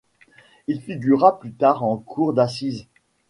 Il figura plus tard en cour d’assises.